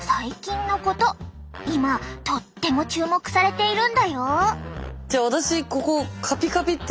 今とっても注目されているんだよ。